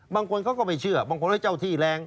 บางคนเขาก็ไม่เชื่อบางคนว่าเจ้าที่แรง